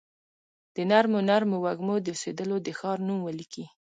د نرمو نرمو وږمو، د اوسیدولو د ښار نوم ولیکي